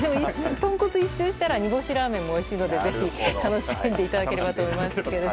豚骨を１周したら煮干しラーメンもおいしいのでぜひ楽しんでいただければと思いますけれども。